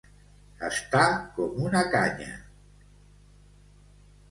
Estar com una canya.